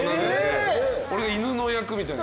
俺が犬の役みたいな。